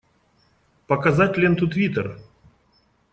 Показать ленту Твиттер!